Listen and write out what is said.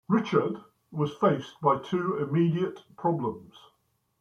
Richard was faced by two immediate problems.